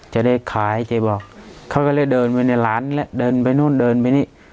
จะได้ขายเจ๊บอกเขาก็เลยเดินไปในร้านเดินไปนู่นเดินไปนี่